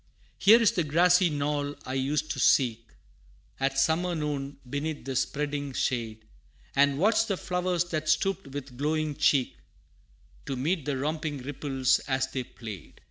Here is the grassy knoll I used to seek At summer noon, beneath the spreading shade, And watch the flowers that stooped with glowing cheek, To meet the romping ripples as they played.